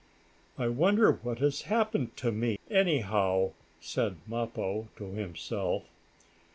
"I wonder what has happened to me, anyhow," said Mappo to himself.